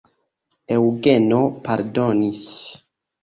Eŭgeno pardonis.